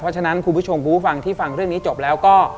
เพราะฉะนั้นคุณผู้ชมผู้ฟังที่ฟังเรื่องนี้จบแล้วก็